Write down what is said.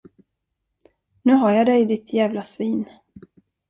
Nu har jag dig, ditt jävla svin.